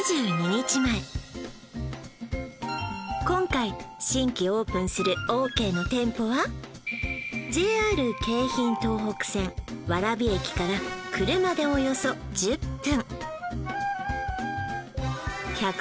今回新規オープンするオーケーの店舗はＪＲ京浜東北線蕨駅から車でおよそ１０分